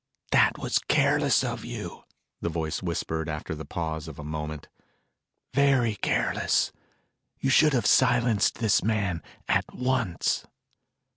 "That was careless of you," the voice whispered after the pause of a moment. "Very careless. You should have silenced this man at once."